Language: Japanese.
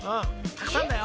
たくさんだよ。